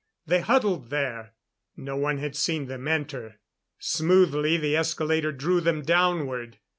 They huddled there. No one had seen them enter. Smoothly the escalator drew them downward.